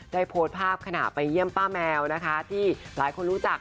โพสต์ภาพขณะไปเยี่ยมป้าแมวนะคะที่หลายคนรู้จัก